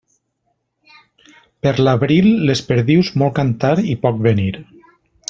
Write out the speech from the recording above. Per l'abril les perdius molt cantar i poc venir.